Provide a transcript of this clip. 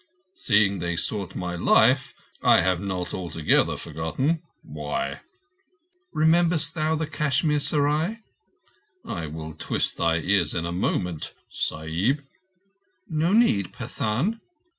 "Seeing they sought my life, I have not altogether forgotten. Why?" "Rememberest thou the Kashmir Serai?" "I will twist thy ears in a moment—Sahib." "No need—Pathan.